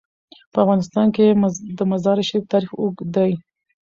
په افغانستان کې د مزارشریف تاریخ اوږد دی.